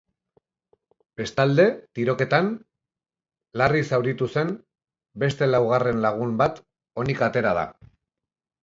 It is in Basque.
Bestalde, tiroketan larrizauritu den beste laugarren lagun bat onik atera da.